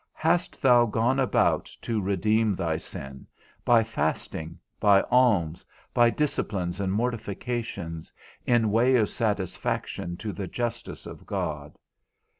Hast thou gone about to redeem thy sin, by fasting, by alms, by disciplines and mortifications, in way of satisfaction to the justice of God?